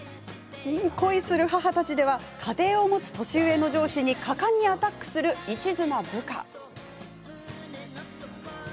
「恋する母たち」では家庭を持つ年上の上司に果敢にアタックするいちずな部下。